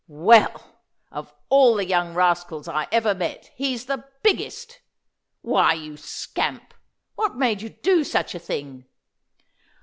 "Well, of all the young rascals I ever met, he's the biggest! Why, you scamp, what made you do such a thing?"